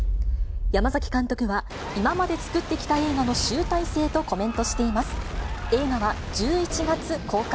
山崎監督は、今まで作ってきた映画の集大成とコメントしています。